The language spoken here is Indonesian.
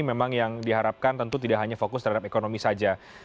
memang yang diharapkan tentu tidak hanya fokus terhadap ekonomi saja